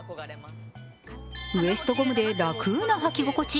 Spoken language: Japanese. ウエストゴムで楽なはき心地。